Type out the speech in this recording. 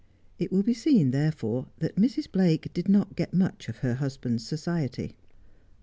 It will be seen, therefore, that Mrs. Blake did not get mach of her husbands society.